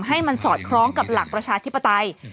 ให้มันสอดคล้องกับหลักประชาธิปไตย